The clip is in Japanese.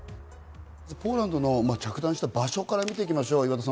ポーランドの着弾した場所から見ていきましょう。